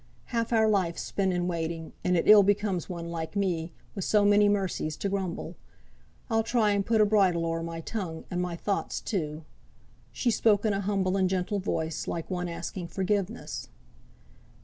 Half our life's spent in waiting, and it ill becomes one like me, wi' so many mercies, to grumble. I'll try and put a bridle o'er my tongue, and my thoughts too." She spoke in a humble and gentle voice, like one asking forgiveness.